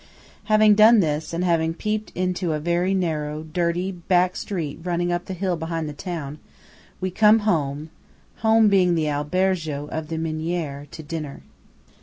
Having done this, and having peeped into a very narrow, dirty back street running up the hill behind the town, we come home (home being the albergo of the "Miniere") to dinner.